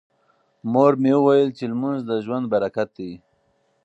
مور مې وویل چې لمونځ د ژوند برکت دی.